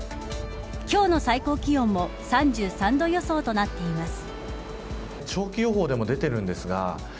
今日の最高気温も３３度予想となっています。